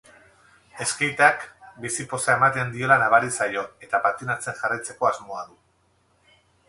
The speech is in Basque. Skateak bizipoza ematen diola nabari zaio eta patinatzen jarraitzeko asmoa du.